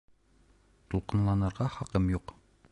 Тулҡынланырға хаҡым юҡ.